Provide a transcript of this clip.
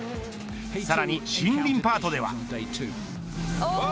さらに森林パートでは。